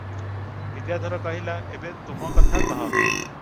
ବିଦ୍ୟାଧର କହିଲା, "ଏବେ ତୁମ କଥା କହ ।